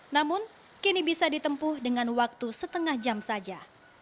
namun kini bisa ditempuh dengan waktu setengah jam saja